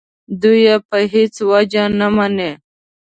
دوی یې په هېڅ وجه نه مني.